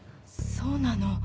そうなの？